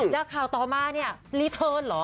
จากข่าวต่อมาเนี่ยรีเทิร์นเหรอ